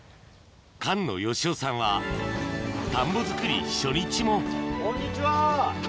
菅野好雄さんは田んぼ作り初日もこんにちは！